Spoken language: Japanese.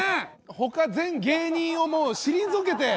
他全芸人をもう退けて。